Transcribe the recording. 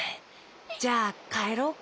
じゃあかえろうか。